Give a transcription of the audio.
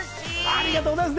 ありがとうございます。